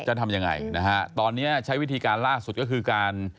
จะทำยังไงนะฮะตอนนี้ใช้วิธีการล่าสุดก็คือการ